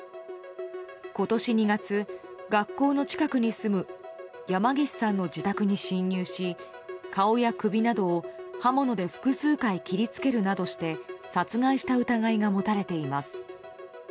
今年２月、学校の近くに住む山岸さんの自宅に侵入し顔や首などを刃物で複数回切りつけるなどして殺害した疑いが持たれています。